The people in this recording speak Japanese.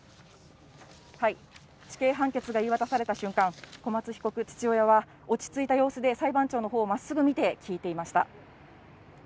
死刑判決が言い渡された瞬間、小松被告、父親は、落ち着いた様子で裁判長のほうをまっすぐ見て聞いていました。